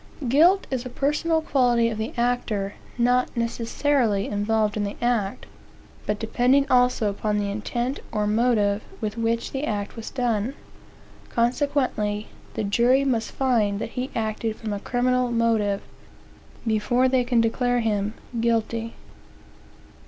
Guiltis a personal quality of the actor, not necessarily involved in the act, but depending also upon the intent or motive with which the act was done. Consequently, the jury must find that he acted from a criminal motive, before they can declare him guilty.